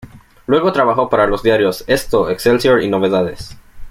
Luego trabajó para los diarios "Esto", "Excelsior" y "Novedades".